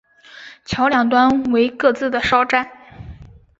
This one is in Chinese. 桥两端为各自的哨站。